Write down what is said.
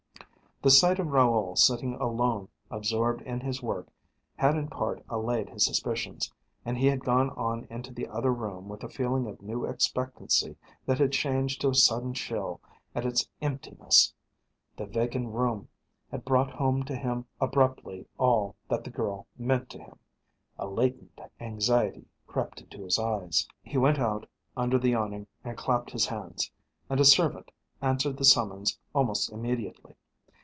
The sight of Raoul sitting alone absorbed in his work had in part allayed his suspicions, and he had gone on into the other room with a feeling of new expectancy that had changed to a sudden chill at its emptiness. The vacant room had brought home to him abruptly all that the girl meant to him. A latent anxiety crept into his eyes. He went out under the awning and clapped his hands, and a servant answered the summons almost immediately.